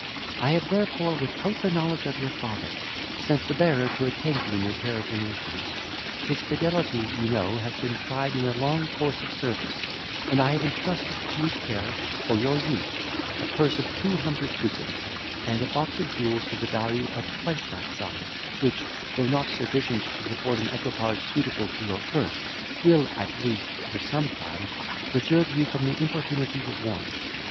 I have therefore, without the knowledge of your father, sent the bearer to attend you in your peregrinations; his fidelity you know hath been tried in a long course of service, and I have entrusted to his care, for your use, a purse of two hundred ducats, and a box of jewels to the value of twice that sum, which, though not sufficient to support an equipage suitable to your birth, will, at least for some time, preserve you from the importunities of want.